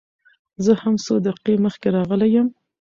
زه هم څو دقيقې مخکې راغلى يم.